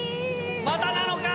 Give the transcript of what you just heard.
またなのか